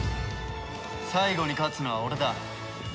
最後に勝つのは俺だ。